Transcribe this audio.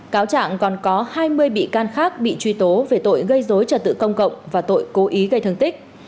cáo trạng còn có hai mươi bị can khác bị truy tố về tội gây dối trật tự công cộng và tội cố ý gây thương tích